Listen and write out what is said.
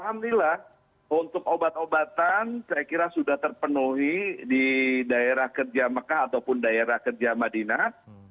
alhamdulillah untuk obat obatan saya kira sudah terpenuhi di daerah kerja mekah ataupun daerah kerja madinah